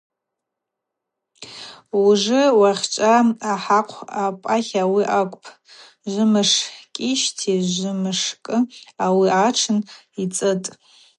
Ужвы уахьчӏва ахӏахъв апӏатла ауи акӏвпӏ: жвмызкӏищти жвмышкӏи ауи атшын йцӏытӏ.